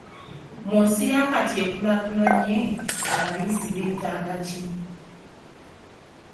Mu nsi yakati ekulaakulanye, abayizi beetaaga ki?